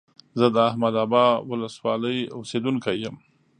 زه د احمد ابا ولسوالۍ اوسيدونکى يم.